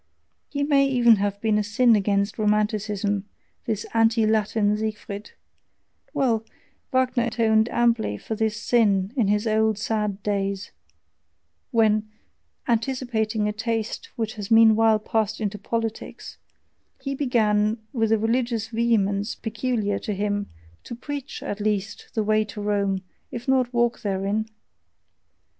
He may even have been a sin against Romanticism, this anti Latin Siegfried: well, Wagner atoned amply for this sin in his old sad days, when anticipating a taste which has meanwhile passed into politics he began, with the religious vehemence peculiar to him, to preach, at least, THE WAY TO ROME, if not to walk therein.